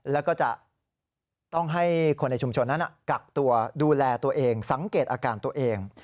แล้วก็จะต้องให้คนในชุมชนนั้นกักตัวดูแลตัวเองสังเกตอาการตัวเอง